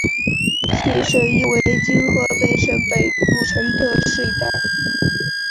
其省域为今河北省北部承德市一带。